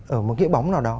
ở một nghĩa bóng nào đó